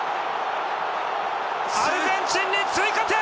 アルゼンチンに追加点！